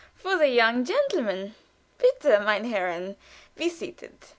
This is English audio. For the young gentleman? Bitte, meine Herren, be seated."